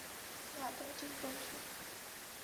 না, তুমি ঠিক বলছো।